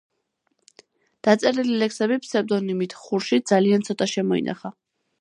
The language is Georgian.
დაწერილი ლექსები ფსევდონიმით „ხურშიდ“ ძალიან ცოტა შემოინახა.